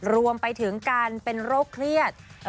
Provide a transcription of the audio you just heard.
รวมไปถึงการเป็นโรคเครียด